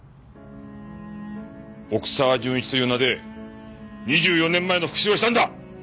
奥沢純一という名で２４年前の復讐をしたんだ！